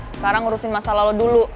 sekarang urusin masalah lu dulu